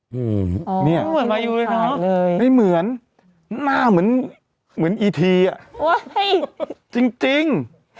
อ๋อเหมือนมายูเลยเนอะไม่เหมือนหน้าเหมือนเหมือนอีทีอ่ะจริง